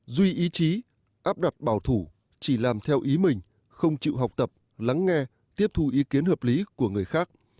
duy ý chí áp đặt bảo thủ chỉ làm theo ý mình không chịu học tập lắng nghe tiếp thu ý kiến hợp lý của người khác